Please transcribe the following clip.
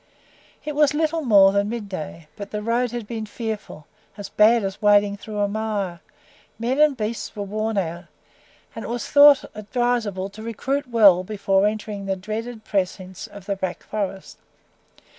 It was little more than mid day, but the road had been fearful as bad as wading through a mire; men and beasts were worn out, and it was thought advisable to recruit well before entering the dreaded precincts of the Black Forest.